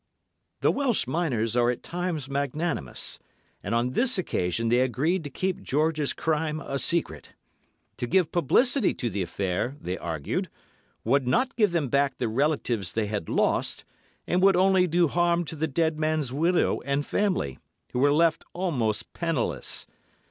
The Welsh miners are at times magnanimous, and on this occasion they agreed to keep George's crime a secret. To give publicity to the affair, they argued, would not give them back the relatives they had lost, and would only do harm to the dead man's widow and family, who were left almost penniless.